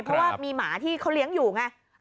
เพราะว่ามีหมาที่เขาเลี้ยงอยู่ไง